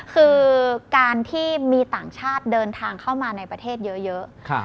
คือการที่มีต่างชาติเดินทางเข้ามาในประเทศเยอะ